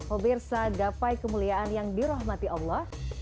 mubirsa dapai kemuliaan yang dirahmati allah